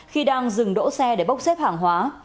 khi đang dừng đỗ xe để bốc xếp hàng hóa